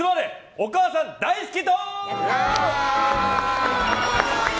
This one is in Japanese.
お母さん大好き党！